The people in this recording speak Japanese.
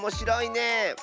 ねえ。